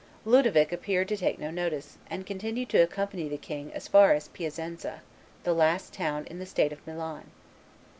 Ludovic appeared to take no notice, and continued to accompany the king as far as Piacenza, the last town in the state of Milan.